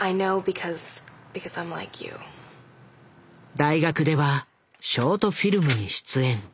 大学ではショートフィルムに出演。